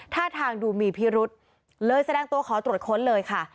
ท่าทางดูมีพิรุษเลยแสดงตัวขอตรวจค้นเลยค่ะ